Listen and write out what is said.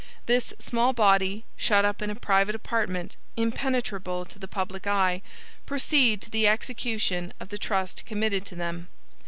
This small body, shut up in a private apartment, impenetrable to the public eye, proceed to the execution of the trust committed to them.